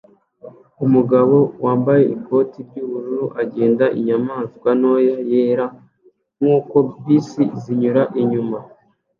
Umugabo wambaye ikote ry'ubururu agenda inyamaswa ntoya yera nkuko bisi zinyura inyuma